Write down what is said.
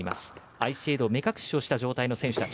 アイシェード目隠しをした状態の選手たち。